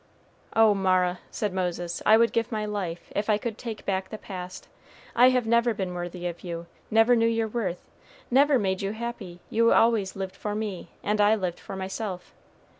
"Oh, Mara," said Moses, "I would give my life, if I could take back the past. I have never been worthy of you; never knew your worth; never made you happy. You always lived for me, and I lived for myself.